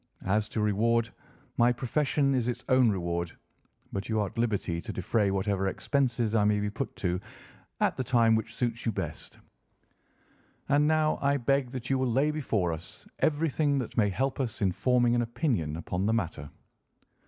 As to reward, my profession is its own reward; but you are at liberty to defray whatever expenses I may be put to, at the time which suits you best. And now I beg that you will lay before us everything that may help us in forming an opinion upon the matter."